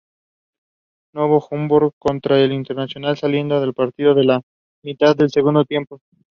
Novo Hamburgo contra el Internacional, saliendo del partido en la mitad del segundo tiempo.